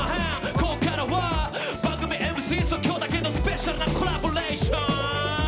こっからは番組ＭＣさ今日だけのスペシャルなコラボレーション！